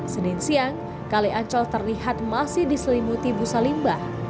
senin siang kali ancol terlihat masih diselimuti busa limbah